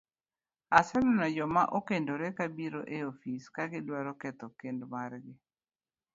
Aseneno joma okendore ka biro e ofis ka gidwaro ketho kend margi,